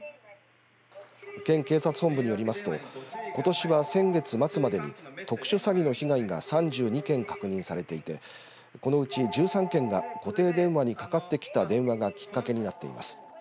県警察本部によりますとことしは先月末までに特殊詐欺の被害が３２件確認されていてこのうち１３件が固定電話にかかってきた電話がきっかけになっています。